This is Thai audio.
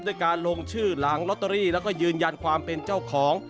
ด้วยการลงชื่อหลังลอตเตอรี่แล้วก็ยืนยันความเป็นเจ้าของ